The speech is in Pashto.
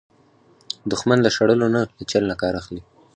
دښمن له شړلو نه، له چل نه کار اخلي